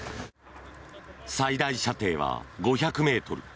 最大射程は５００ｍ。